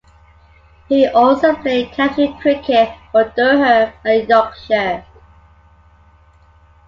He also played county cricket for Durham and Yorkshire.